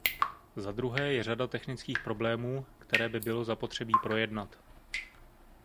Zadruhé je řada technických problémů, které by bylo zapotřebí projednat.